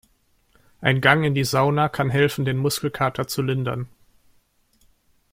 Ein Gang in die Sauna kann helfen, den Muskelkater zu lindern.